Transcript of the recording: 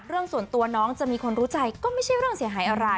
เรื่องส่วนตัวน้องจะมีคนรู้ใจก็ไม่ใช่เรื่องเสียหายอะไร